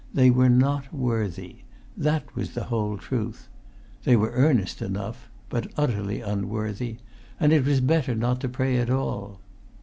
They were not worthy: that was the whole truth. They were earnest enough, but utterly unworthy, and it was better not to pray at all.